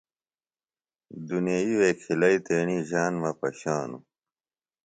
دُنیئی وےکھلیئی تیݨی ژان مہ پشانوۡ۔